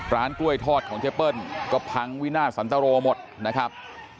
กล้วยทอดของเจ๊เปิ้ลก็พังวินาทสันตรโรหมดนะครับ